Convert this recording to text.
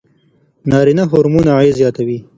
نارینه هورمون اغېز زیاتوي.